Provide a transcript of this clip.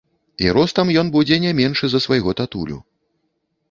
І ростам ён будзе не меншы за свайго татулю.